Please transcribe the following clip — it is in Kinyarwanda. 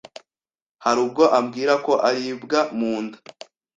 harubwo ambwira ko aribwa munda